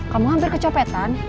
kamu hampir kecopetan